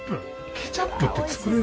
ケチャップって作れる？